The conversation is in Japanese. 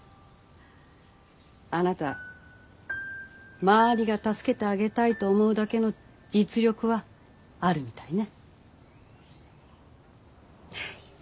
あなた周りが助けてあげたいと思うだけの実力はあるみたいね。